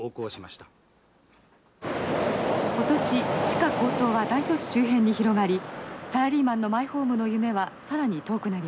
「今年地価高騰は大都市周辺に広がりサラリーマンのマイホームの夢は更に遠くなりました。